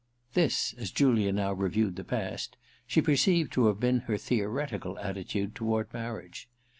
This, as Julia now reviewed the past, she perceived to have been her theoretical attitude toward marriage.